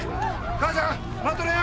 母ちゃん待っとれよ！